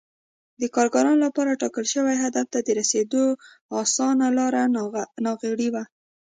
د کارګرانو لپاره ټاکل شوي هدف ته رسېدو اسانه لار ناغېړي وه